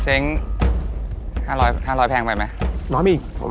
เซ็ง๕๐๐แพงไปไหม